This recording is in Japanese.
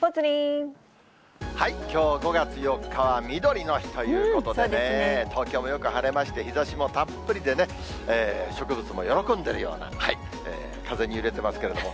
きょう５月４日はみどりの日ということで、東京もよく晴れまして、日ざしもたっぷりでね、植物も喜んでいるような、風に揺れてますけれども。